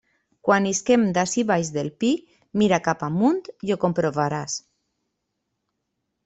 Quan isquem d'ací baix del pi, mira cap amunt i ho comprovaràs.